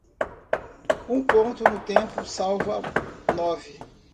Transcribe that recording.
Um ponto no tempo salva nove.